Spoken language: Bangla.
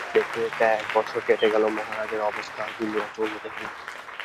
দেখতে দেখতে এক বছর কেটে গেল, মহারাজের অবস্থার বিন্দুমাত্র উন্নতি হয়নি।